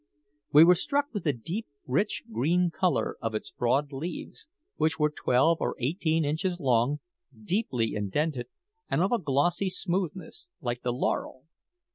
We were much struck with the deep, rich green colour of its broad leaves, which were twelve or eighteen inches long, deeply indented, and of a glossy smoothness, like the laurel.